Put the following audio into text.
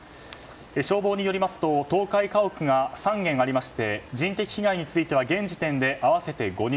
消防によりますと倒壊家屋が３軒ありまして人的被害については現時点で合わせて５人。